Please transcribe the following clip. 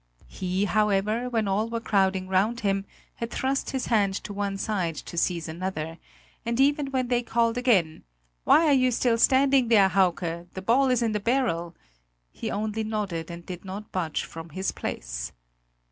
He, however, when all were crowding round him, had thrust his hand to one side to seize another; and even when they called again: "Why are you still standing there, Hauke? The ball is in the barrel!" he only nodded and did not budge from his place.